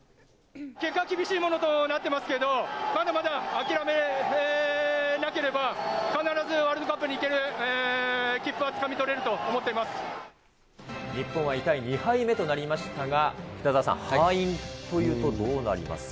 結果は厳しいものとなってますけど、まだまだ諦めなければ、必ずワールドカップに行ける、切符はつかみ取れると思っていま日本は痛い２敗目となりましたが、北澤さん、敗因というとどうなりますか？